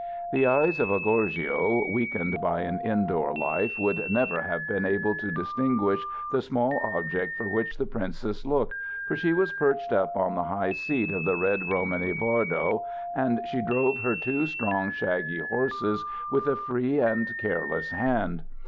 The eyes of a gorgio, weakened by an indoor life, would never have been able to distinguish the small object for which the princess looked, for she was perched up on the high seat of the red Romany wardo, and she drove her two strong, shaggy horses with a free and careless hand.